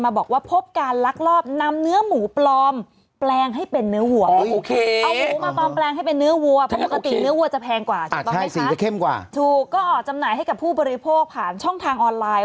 ให้เป็นเนื้อหัวเฮ่ยไหมจำหน่ายให้กับผู้บริโภคผ่านช่องทางออนไลน์